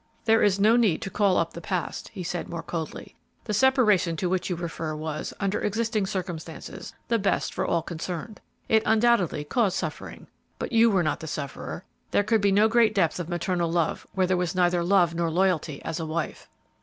"There is no need to call up the past," he said, more coldly; "the separation to which you refer was, under existing circumstances, the best for all concerned. It undoubtedly caused suffering, but you were not the sufferer; there could be no great depth of maternal love where there was neither love nor loyalty as a wife."